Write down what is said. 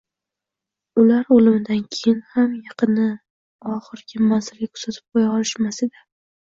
Ular o`limidan keyin ham yaqini oxirgi manzilga kuzatib qo`ya olishmas edi